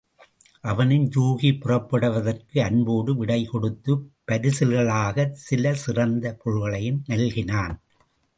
அவனும் யூகி புறப்படுவதற்கு அன்போடு விடை கொடுத்துப் பரிசில்களாகச் சில சிறந்த பொருள்களையும் நல்கினான்.